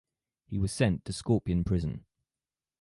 He was sent to Scorpion Prison.